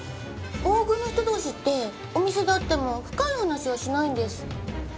大食いの人同士ってお店で会っても深い話はしないんです。